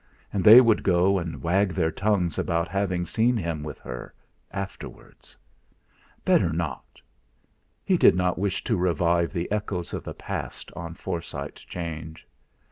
And they would go and wag their tongues about having seen him with her, afterwards. Better not! He did not wish to revive the echoes of the past on Forsyte 'Change.